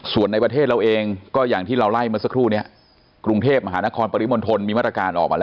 ส่วนในประเทศเราเองก็อย่างที่เราไล่เมื่อสักครู่นี้กรุงเทพมหานครปริมณฑลมีมาตรการออกมาแล้ว